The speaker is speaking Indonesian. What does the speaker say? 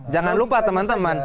jangan lupa teman teman